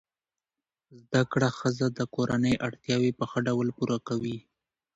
زده کړه ښځه د کورنۍ اړتیاوې په ښه ډول پوره کوي.